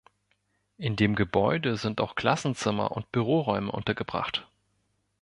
In dem Gebäude sind auch Klassenzimmer und Büroräume untergebracht.